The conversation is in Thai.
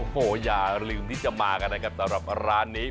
โอ้โหอย่าลืมที่จะมากันนะครับสำหรับร้านนี้